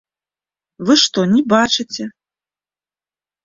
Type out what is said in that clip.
Вы што, не бачыце?